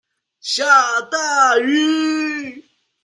下大雨